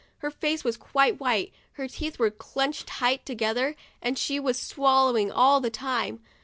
Her face was quite white, her teeth were clinched tight to gether, and she was swallowing all the time.